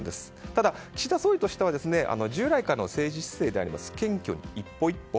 ただ岸田総理としては従来からの政治姿勢である謙虚に一歩一歩。